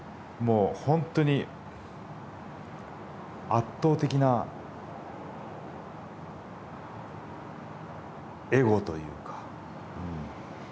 もうほんとに圧倒的なエゴというか。